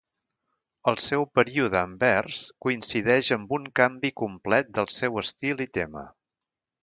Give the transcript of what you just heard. El seu període a Anvers coincideix amb un canvi complet del seu estil i tema.